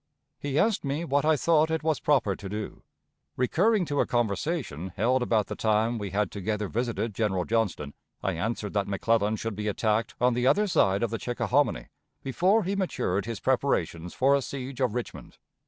He asked me what I thought it was proper to do. Recurring to a conversation held about the time we had together visited General Johnston, I answered that McClellan should be attacked on the other side of the Chickahominy before he matured his preparations for a siege of Richmond.